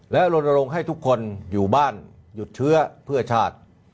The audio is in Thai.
และลนลงให้ทุกคนอยู่บ้านหยุดเชื้อเพื่อชาติ